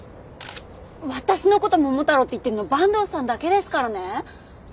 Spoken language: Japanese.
私のこと桃太郎って言ってるの坂東さんだけですからね。